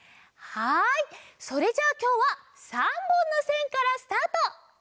はいそれじゃあきょうは３ぼんのせんからスタート！